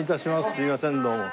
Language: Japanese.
すいませんどうも。